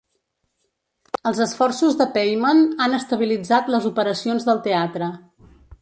Els esforços de Peymann han estabilitzat les operacions del teatre.